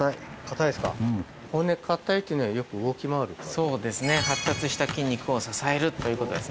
そうですね発達した筋肉を支えるということですね。